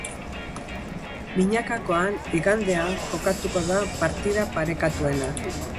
Binakakoan, igandean jokatuko da partida parekatuena.